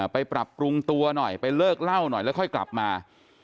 ไปปรับปรุงตัวหน่อยไปเลิกเล่าหน่อยแล้วค่อยกลับมา